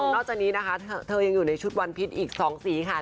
จากนี้นะคะเธอยังอยู่ในชุดวันพิษอีก๒สีค่ะ